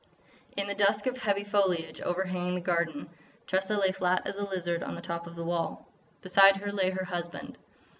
In the dusk of heavy foliage overhanging the garden, Tressa lay flat as a lizard on the top of the wall. Beside her lay her husband.